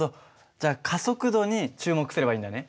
じゃあ加速度に注目すればいいんだね。